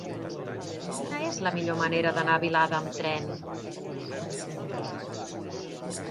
Quina és la millor manera d'anar a Vilada amb tren?